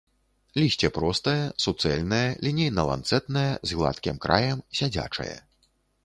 Лісце простае, суцэльнае, лінейна-ланцэтнае, з гладкім краем, сядзячае.